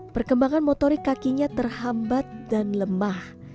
perkembangan motorik kakinya terhambat dan lemah